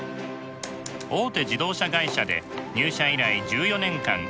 大手自動車会社で入社以来１４年間